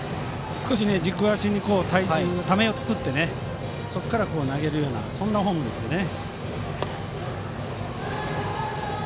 少し軸足にためを作ってそこから投げるようなフォームですね。